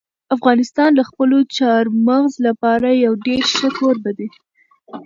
افغانستان د خپلو چار مغز لپاره یو ډېر ښه کوربه دی.